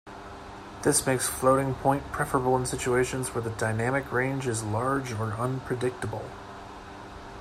This makes floating-point preferable in situations where the dynamic range is large or unpredictable.